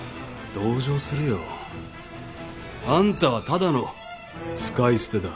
同情するよ。あんたはただの使い捨てだ。